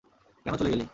কেন চলে গেলি?